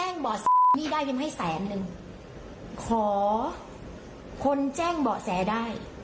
นี่ค่ะ